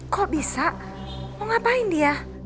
kok bisa mau ngapain dia